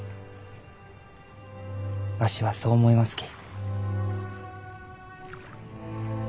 わしはそう思いますき。